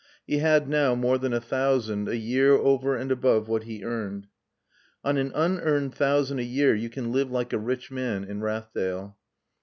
He had now more than a thousand a year over and above what he earned. On an unearned thousand a year you can live like a rich man in Rathdale.